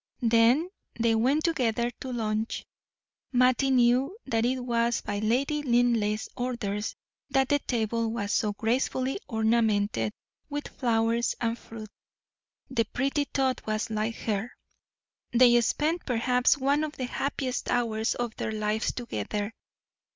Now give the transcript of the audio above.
Then they went together to lunch. Mattie knew that it was by Lady Linleigh's orders that the table was so gracefully ornamented with flowers and fruit; the pretty thought was like her. They spent perhaps one of the happiest hours of their lives together.